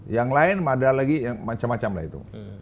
yang lain ada lagi yang macam macam lah itu